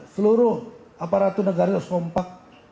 seluruh aparatur negara harus kompak